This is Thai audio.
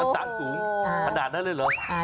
ต่างสูงขนาดนั้นเลยเหรอ